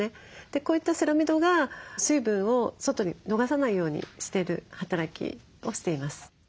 こういったセラミドが水分を外に逃さないようにしてる働きをしています。